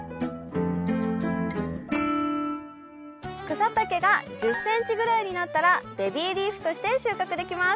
草丈が１０ｃｍぐらいになったらベビーリーフとして収穫できます。